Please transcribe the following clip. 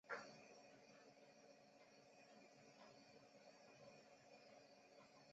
现为时代力量新北市三重芦洲区市议员参选人。